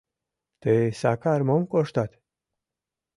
— Тый, Сакар, мом коштат?